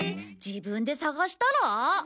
自分で探したら？